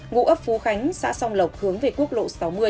ngụ ấp phú khánh xã song lộc hướng về quốc lộ sáu mươi